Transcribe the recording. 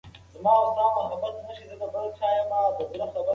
څلور لسیزې مخکې وضعیت بل ډول و.